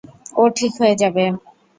ও ঠিক হয়ে যাবে।